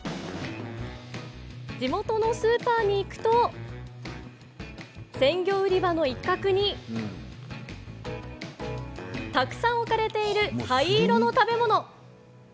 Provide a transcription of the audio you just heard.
地元のスーパーに行くと鮮魚売り場の一角にたくさん置かれている灰色の食べ物。